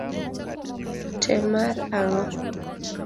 Te mar ang'o?